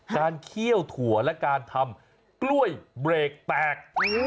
เคี่ยวถั่วและการทำกล้วยเบรกแตก